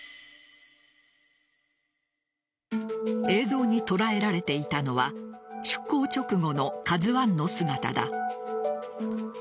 映像に捉えられていたのは出港直後の「ＫＡＺＵ１」の姿だ。